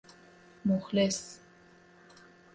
مخلص